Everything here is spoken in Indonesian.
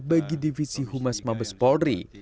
bagi divisi humas mabes polri